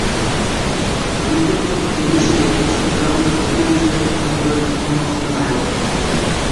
অনেকের মতে তিনি ছিলেন চট্টগ্রামের দক্ষিণাঞ্চলের আন্দোলনের অন্যতম নায়ক।